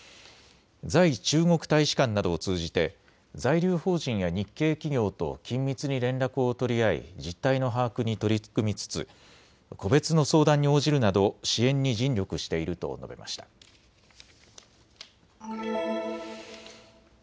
在中国大使館などを通じて在留邦人や日系企業と緊密に連絡を取り合い実態の把握に取り組みつつ個別の相談に応じるなど支援に尽力していると述べました。